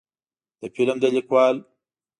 د فلم د لیکوال